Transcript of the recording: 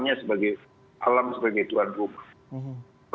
alam sebagai tuhan rumah